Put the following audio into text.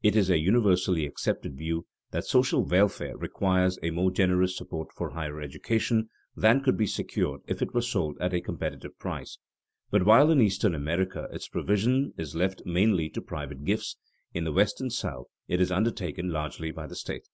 It is a universally accepted view that social welfare requires a more generous support for higher education than could be secured if it were sold at a competitive price; but while in eastern America its provision is left mainly to private gifts, in the West and South it is undertaken largely by the state.